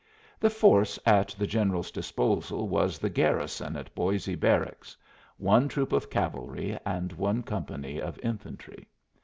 The force at the General's disposal was the garrison at Boisé Barracks one troop of cavalry and one company of infantry.